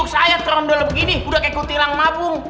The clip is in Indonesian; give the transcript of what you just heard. kayak trondol begini udah kayak kutilang mabung